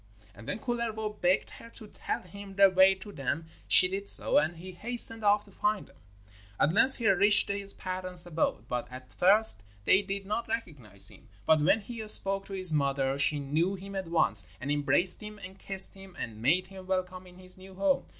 And when Kullervo begged her to tell him the way to them she did so, and he hastened off to find them. At length he reached his parents' abode, but at first they did not recognise him. But when he spoke to his mother she knew him at once, and embraced him and kissed him, and made him welcome in his new home.